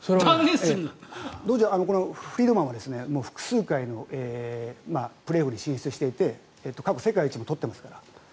フリードマンは複数回のプレーオフに進出していて過去世界一も取ってますから。